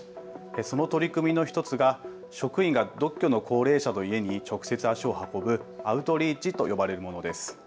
その取り組みの１つが職員が独居の高齢者の自宅に家に直接、足を運ぶアウトリーチと呼ばれるものです。